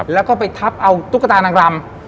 แล้วก็ไปทับเอาตุ๊กตานางรำ